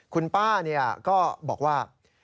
คุณป้าเนี่ยก็บอกว่า